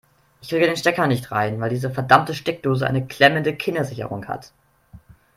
Ich kriege den Stecker nicht rein, weil diese verdammte Steckdose eine klemmende Kindersicherung hat.